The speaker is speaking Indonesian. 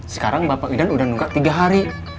sekarang bapak idan udah nunggu tiga hari